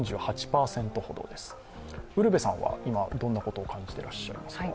ウルヴェさんは今どんなことを感じていらっしゃいますか？